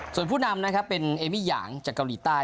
ส่วนผู้นำนะครับเป็นเอมี่หยางจากเกาหลีใต้